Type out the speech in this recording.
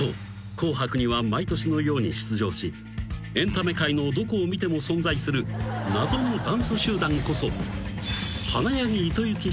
『紅白』には毎年のように出場しエンタメ界のどこを見ても存在する謎のダンス集団こそ］